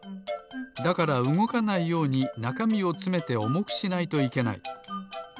だからうごかないようになかみをつめておもくしないといけない。